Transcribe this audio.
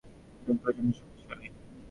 তুমি প্রচন্ড শক্তিশালী!